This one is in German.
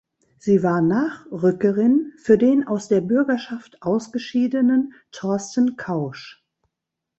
Sie war Nachrückerin für den aus der Bürgerschaft ausgeschiedenen Thorsten Kausch.